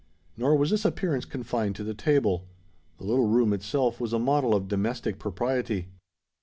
Nor was this appearance confined to the table. The little room itself was a model of domestic propriety.